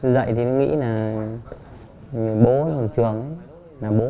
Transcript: dậy thì nó nghĩ là bố ở trường là bố nó